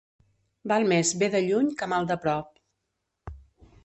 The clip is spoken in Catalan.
Val més bé de lluny que mal de prop.